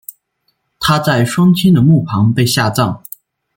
她在双亲的墓旁被下葬。